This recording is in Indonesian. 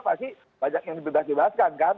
pasti banyak yang dibebas bebaskan kan